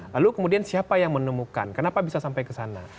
lalu kemudian siapa yang menemukan kenapa bisa sampai ke sana